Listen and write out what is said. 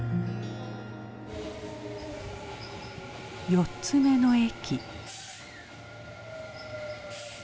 ４つ目の駅。